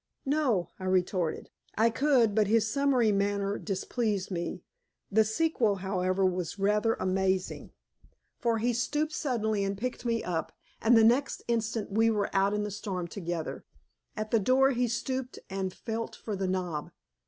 "No," I retorted. I could, but his summary manner displeased me. The sequel, however, was rather amazing, for he stooped suddenly and picked me up, and the next instant we were out in the storm together. At the door he stooped and felt for the knob.